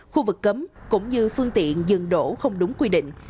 khu vực cấm cũng như phương tiện dừng đổ không đúng quy định